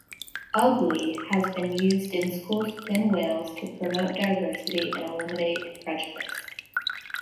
"Ugly" has been used in schools within Wales to promote diversity and eliminate prejudice.